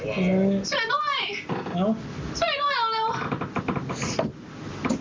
ช่วยด้วย